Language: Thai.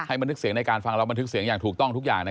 บันทึกเสียงในการฟังเราบันทึกเสียงอย่างถูกต้องทุกอย่างนะ